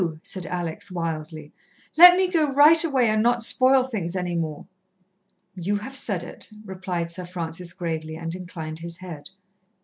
said Alex wildly. "Let me go right away and not spoil things any more." "You have said it," replied Sir Francis gravely, and inclined his head.